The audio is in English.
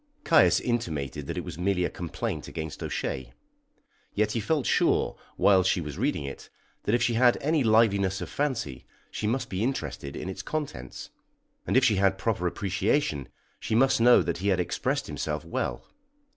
Caius intimated that it was merely a complaint against O'Shea. Yet he felt sure, while she was reading it, that, if she had any liveliness of fancy, she must be interested in its contents, and if she had proper appreciation, she must know that he had expressed himself well.